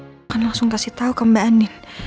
mbak nenek akan langsung kasih tau ke mbak nenek